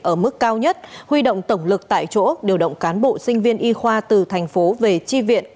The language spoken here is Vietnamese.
ở mức cao nhất huy động tổng lực tại chỗ điều động cán bộ sinh viên y khoa từ thành phố về tri viện